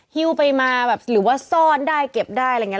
ลูดไปมาหรือว่าซ่อนได้เก็บได้ไรเงี้ย